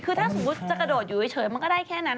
คือถ้าสมมุติจะกระโดดอยู่เฉยมันก็ได้แค่นั้น